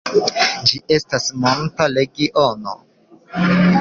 Ĝi estas monta regiono.